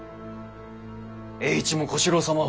栄一も小四郎様を。